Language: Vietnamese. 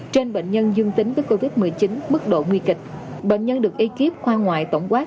trên bệnh nhân dương tính với covid một mươi chín mức độ nguy kịch bệnh nhân được ekip khoa ngoại tổng quát